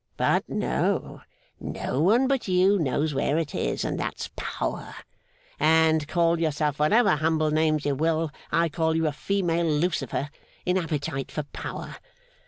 But no no one but you knows where it is, and that's power; and, call yourself whatever humble names you will, I call you a female Lucifer in appetite for power!